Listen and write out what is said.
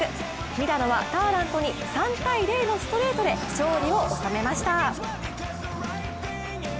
ミラノはターラントに３−０のストレートで勝利を収めました。